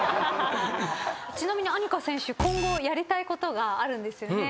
ちなみに杏夏選手今後やりたいことがあるんですよね。